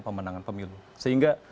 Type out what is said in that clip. pemenangan pemilu sehingga